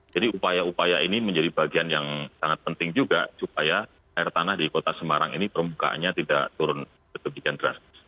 jadi upaya upaya ini menjadi bagian yang sangat penting juga supaya air tanah di kota semarang ini permukaannya tidak turun begitu genderal